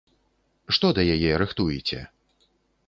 Што да яе рыхтуеце?